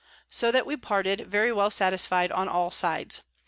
So that we parted, very well satisfy'd on all sides.